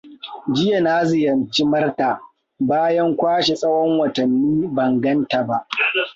Jiya na ziyarci Martha, bayan kwashe tsahon watanni ban ganta ba.